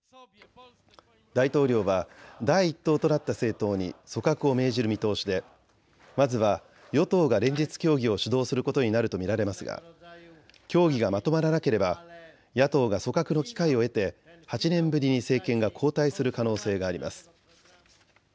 大統領は第１党となった政党に組閣を命じる見通しでまずは与党が連立協議を主導することになると見られますが協議がまとまらなければ野党が組閣の機会を得て８年ぶりに政権が交代する可能性があります。